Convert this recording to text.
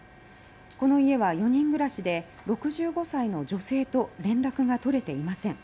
この家は４人暮らしで６５歳の女性と連絡が取れていません。